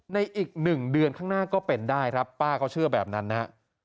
อีก๑เดือนข้างหน้าก็เป็นได้ครับป้าเขาเชื่อแบบนั้นนะฮะ